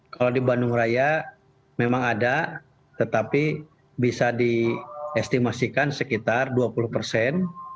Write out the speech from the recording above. kalau di bandung raya memang ada tetapi bisa diestimasikan sekitar dua puluh persen